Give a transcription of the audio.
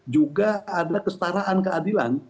juga ada kesetaraan keadilan